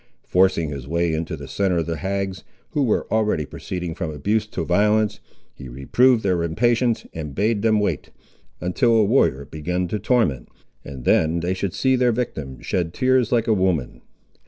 Forcing his way into the centre of the hags, who were already proceeding from abuse to violence, he reproved their impatience, and bade them wait, until a warrior had begun to torment, and then they should see their victim shed tears like a woman.